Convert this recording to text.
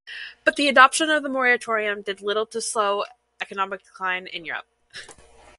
But the adoption of the moratorium did little to slow economic decline in Europe.